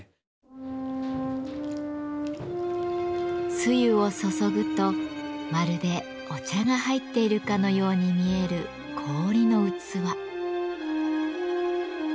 つゆを注ぐとまるでお茶が入っているかのように見える氷の器。